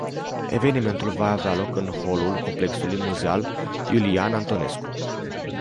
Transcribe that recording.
Evenimentul va avea loc în holul complexului muzeal Iulian Antonescu.